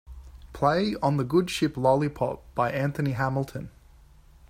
play on the good ship lollipop by Anthony Hamilton